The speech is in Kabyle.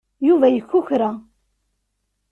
Yuba yekukra.